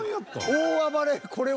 大暴れ。